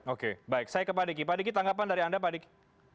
oke baik saya ke pak diki pak diki tanggapan dari anda pak diki